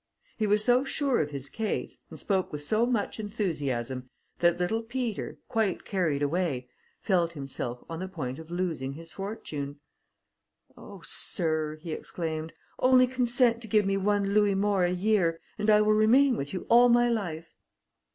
He was so sure of his case, and spoke with so much enthusiasm, that little Peter, quite carried away, felt himself on the point of losing his fortune. "Oh! Sir," he exclaimed, "only consent to give me one louis more a year, and I will remain with you all my life."